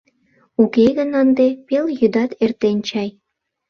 Уке гын ынде пелйӱдат эртен чай.